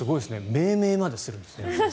命名までするんですね。